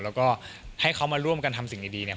แล้วก็ให้เขามาร่วมกันทำสิ่งดีเนี่ย